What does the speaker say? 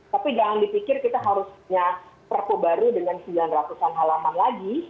tapi jangan dipikir kita harus punya perpu baru dengan sembilan ratus an halaman lagi